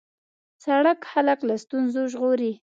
سړک خلک له ستونزو ژغوري.